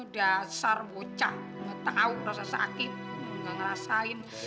dasar bocah gak tau rasa sakit gak ngerasain